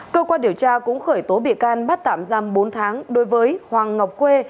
cơ quan điều tra cũng khởi tố bị can bắt tạm giam bốn tháng đối với hoàng ngọc khuê